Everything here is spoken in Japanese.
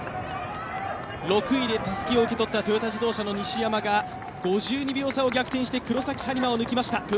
６位でたすきを受け取ったトヨタ自動車の西山が５２秒差を逆転して黒崎播磨を抜きました。